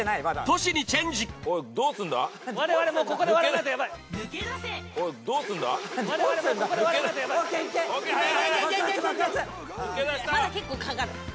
まだ結構かかる。